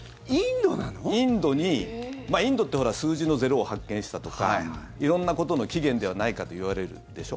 インドにインドって、ほら数字の０を発見したとか色んなことの起源ではないかといわれるでしょ。